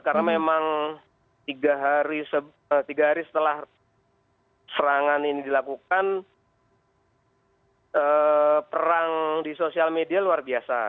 karena memang tiga hari setelah serangan ini dilakukan perang di sosial media luar biasa